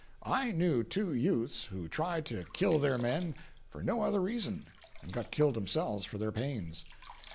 I knew two youths who tried to "kill their men" for no other reason—and got killed themselves for their pains.